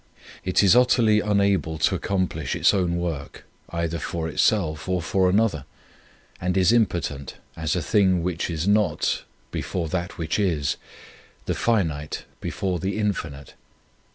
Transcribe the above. It is utterly unable to accom plish its own work, either for itself or for another, and is impotent as a thing which is not before that which is, the finite before the infinite.